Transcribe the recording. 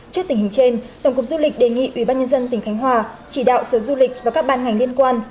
trước tình hình trên tổng cục du lịch đề nghị ủy ban nhân dân tỉnh khánh hòa chỉ đạo sở du lịch và các ban ngành liên quan